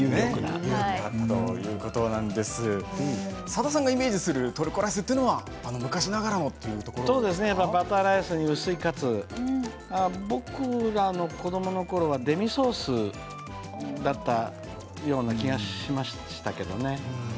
さださんのイメージするバターライスに薄いカツ、僕らが子どものころはデミソースだったような気がしましたけどね。